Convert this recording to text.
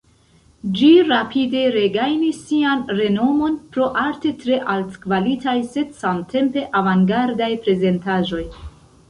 Ĝi rapide regajnis sian renomon pro arte tre altkvalitaj sed samtempe avangardaj prezentaĵoj.